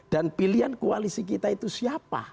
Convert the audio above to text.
dan pilihan koalisi kita itu siapa